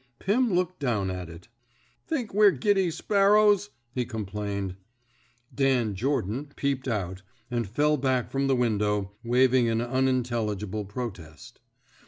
Pirn looked down at it. 19 THE SMOKE EATEES Think we're giddy sparrows? " he com plained. Dan Jordan '' peeped out, and fell back from the window, waving an unintelligible protest.